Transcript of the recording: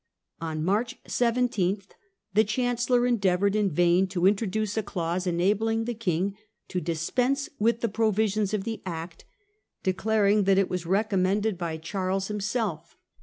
On March 17 the Chancellor endeavoured in vain to introduce a clause enabling the King to dispense with the provisions Charles Act, declaring that it was recommended hisattem t Charles himself.